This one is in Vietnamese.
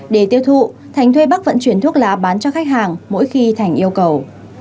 để tiêu thụ thành thuê bắc vận chuyển thuốc lá bán cho khách hàng mỗi khi thành yêu cầu